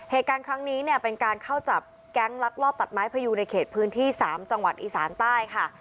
เหตุการณ์ครั้งนี้เนี่ยเป็นการเข้าจับแก๊งลักลอบตัดไม้พยูในเขตพื้นที่๓จังหวัดอีสานใต้ค่ะ